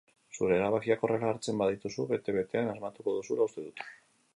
Zure erabakiak horrela hartzen badituzu, bete betean asmatuko duzula uste dut.